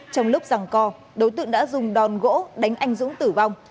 trong lúc rằng co đối tượng đã dùng đòn gỗ đánh anh dũng tử vong